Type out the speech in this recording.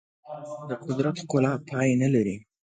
د قدرت ښکلا پای نه لري.